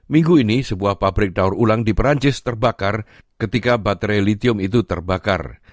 minggu ini sebuah pabrik daur ulang di perancis terbakar ketika baterai litium itu terbakar